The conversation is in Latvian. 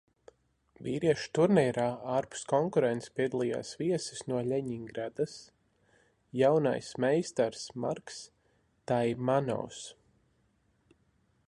Vīriešu turnīrā ārpus konkurences piedalījās viesis no Ļeņingradas, jaunais meistars Marks Taimanovs.